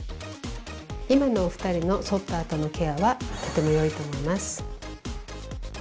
今のお二人のそったあとのケアはとてもよいと思います。